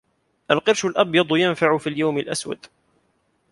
القرش الأبيض ينفع في اليوم الأسود